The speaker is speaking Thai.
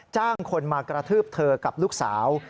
จ้างคนมากระทืบเธอกับลูกสาว